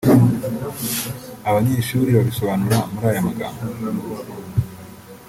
Abanyeshuri babisobanura muri aya magambo